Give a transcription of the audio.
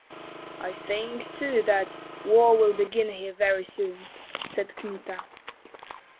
"I think, too, that war will begin here very soon," said Kmita.